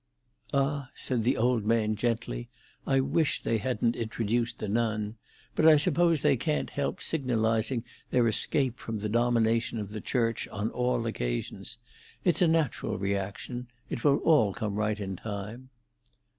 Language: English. "Ah," said the old man gently, "I wish they hadn't introduced the nun! But I suppose they can't help signalising their escape from the domination of the Church on all occasions. It's a natural reaction. It will all come right in time."